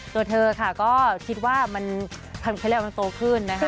ตัวเธอค่ะก็คิดว่ามันเขาเรียกว่ามันโตขึ้นนะคะ